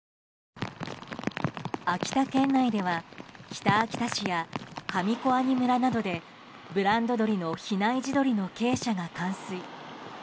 秋田県内では北秋田市や上小阿仁村などでブランド鶏の比内地鶏の鶏舎が冠水。